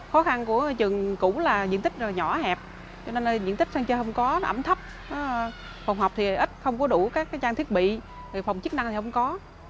khó khăn của trường cũ là diện tích nhỏ hẹp cho nên diện tích sang chơi không có ẩm thấp phòng học thì ít không có đủ các trang thiết bị phòng chức năng thì không có